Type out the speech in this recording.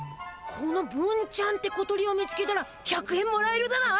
このブンちゃんって小鳥を見つけたら１００円もらえるだな。